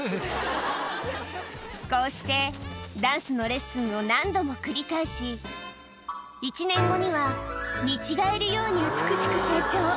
こうしてダンスのレッスンを何度も繰り返し、１年後には、見違えるように美しく成長。